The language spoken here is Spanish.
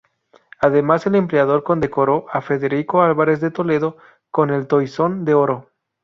Además, el emperador condecoró a Federico Álvarez de Toledo con el Toisón de Oro.